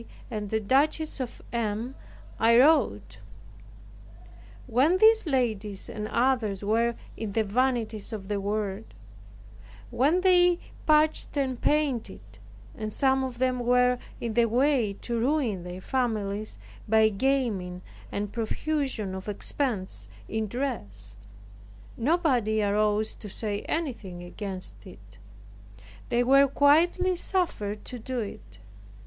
and the Duchess of M., I wrote, "When these ladies and others were in the vanities of the world, when they patched and painted, and some of them were in the way to ruin their families by gaming and profusion of expense in dress, nobody arose to say anything against it; they were quietly suffered to do it.